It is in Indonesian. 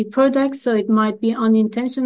jadi itu mungkin tidak berintensif